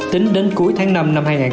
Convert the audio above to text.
tính đến cuối tháng năm năm hai nghìn hai mươi